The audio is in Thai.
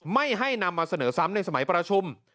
ไม่ให้นำมาเสนอซ้ำในสมัยประชุม